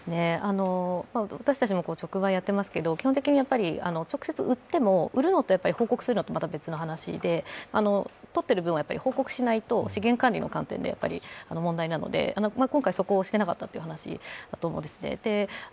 私たちも直売をやっていますけど基本的に直接売っても売るのと報告するのは別の話で、取っている分は報告しないと資源管理の観点で問題なので、今回そこをしていなかったという話だと思うんですね。